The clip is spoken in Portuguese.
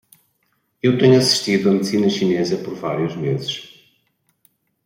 Eu tenho assistido a medicina chinesa por vários meses.